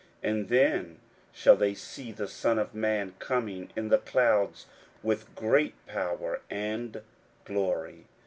41:013:026 And then shall they see the Son of man coming in the clouds with great power and glory.